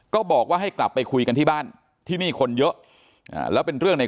ก็บอกว่าให้กลับไปคุยกันที่บ้านที่นี่คนเยอะแล้วเป็นเรื่องใน